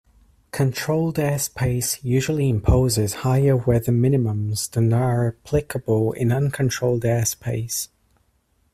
Controlled airspace usually imposes higher weather minimums than are applicable in uncontrolled airspace.